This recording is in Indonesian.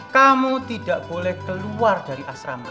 kamu tidak boleh keluar dari asrama